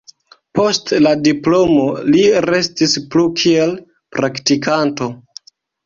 Post la diplomo li restis plu kiel praktikanto.